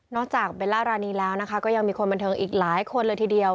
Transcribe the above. จากเบลล่ารานีแล้วนะคะก็ยังมีคนบันเทิงอีกหลายคนเลยทีเดียว